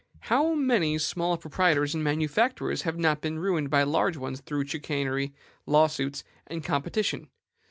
How many small proprietors and manufacturers have not been ruined by large ones through chicanery, law suits, and competition?